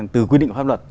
từ quy định pháp luật